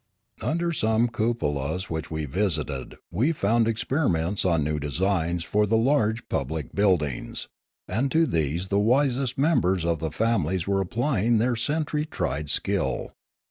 Under some cupolas which we visited we found ex periments on new designs for the large public buildings, and to these the wisest members of the families were applying their century tried skill.